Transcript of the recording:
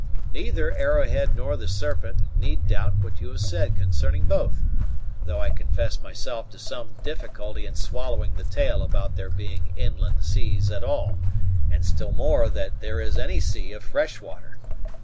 Neither Arrowhead nor the Serpent need doubt what you have said concerning both, though I confess myself to some difficulty in swallowing the tale about there being inland seas at all, and still more that there is any sea of fresh water.